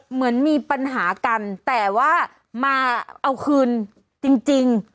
เหมือนมีปัญหากันแต่ว่ามาเอาคืนจริง